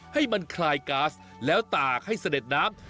ให้มันคลายก๊าซแล้วตากให้เสด็จน้ำ